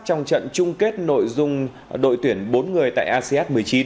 trong trận chung kết nội dung đội tuyển bốn người tại asean một mươi chín